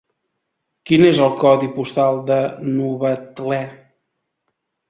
Quin és el codi postal de Novetlè?